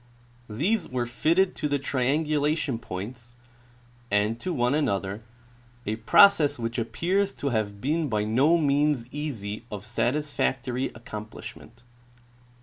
These were fitted to the triangulation points and to one another, a process which appears to have been by no means easy of satisfactory accom plishment.